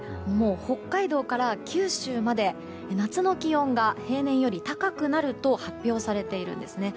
北海道から九州まで夏の気温が平年より高くなると発表されているんですね。